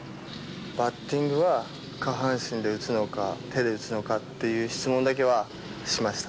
バッティングは下半身で打つのか、手で打つのかっていう質問だけはしました。